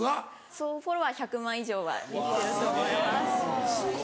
総フォロワー１００万以上は行ってると思います。